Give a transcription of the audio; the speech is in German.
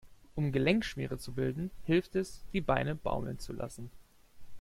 Um Gelenkschmiere zu bilden, hilft es, die Beine baumeln zu lassen.